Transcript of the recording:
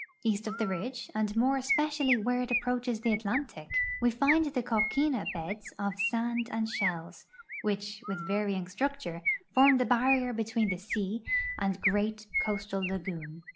East of the ridge, and more especially where it approaches the Atlantic, we find the coquina beds of sand and shells, which, with varying structure, form the barrier between the sea and the great coastal lagoon.